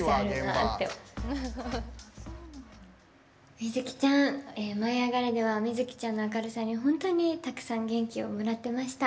美月ちゃん「舞いあがれ！」では美月ちゃんの明るさに、本当にたくさん元気をもらってました。